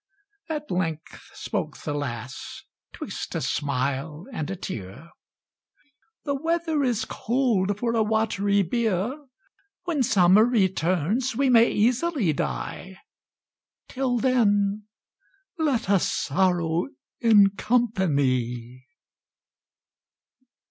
At length spoke the lass, 'twixt a smile and a tear, "The weather is cold for a watery bier; When summer returns we may easily die, Till then let us sorrow in company."